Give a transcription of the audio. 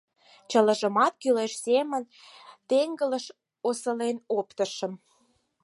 Чылажымат кӱлеш семын теҥгылыш осылен оптышым.